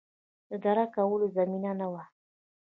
د درک کولو زمینه نه وه